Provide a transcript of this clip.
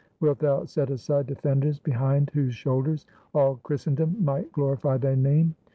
Wilt Thou set aside defenders behind whose shoulders all Christen dom might glorify Thy name?